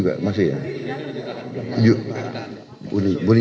pak tiflansen dipanggil